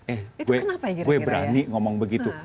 eh gue berani ngomong begitu